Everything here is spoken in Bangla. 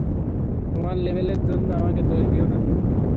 তোমার লোভের জন্য আমাকে দোষ দিও না।